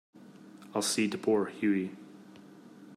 I'll see to poor Hughie.